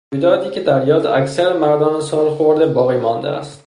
رویدادی که هنوز در یاد اکثر مردان سالخورده باقی مانده است